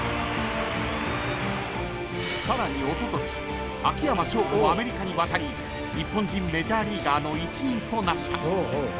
［さらにおととし秋山翔吾もアメリカに渡り日本人メジャーリーガーの一員となった］